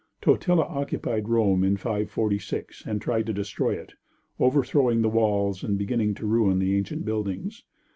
Totila occupied Rome in 546, and tried to destroy it, overthrowing the walls and beginning to ruin the ancient buildings.